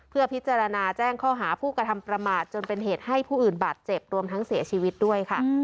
เพื่อพิจารณาแจ้งข้อหาผู้กระทำประมาทจนเป็นเหตุให้ผู้อื่นบาดเจ็บรวมทั้งเสียชีวิตด้วยค่ะ